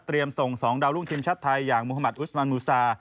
เตรียมส่งสองดาวร่วงทีมชาติไทยอย่างมุธมัติอุสมันมูซา